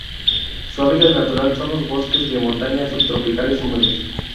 Su hábitat natural son los bosques de montaña subtropicales húmedos.